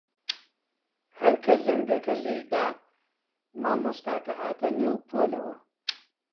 هەر کە زەنگەکە لێی دا، مامۆستاکە هاتە نێو پۆلەوە.